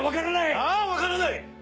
ああ分からない！